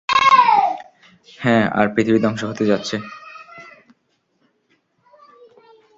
হ্যাঁ, আর পৃথিবী ধ্বংস হতে যাচ্ছে।